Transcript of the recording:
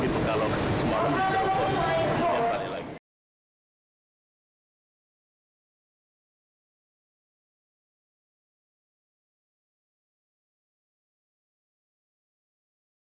pembangunan jawa tengah